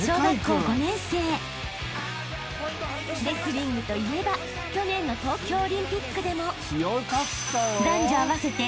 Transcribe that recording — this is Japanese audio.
［レスリングといえば去年の東京オリンピックでも］